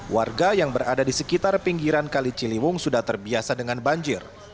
warga yang berada di sekitar pinggiran kali ciliwung sudah terbiasa dengan banjir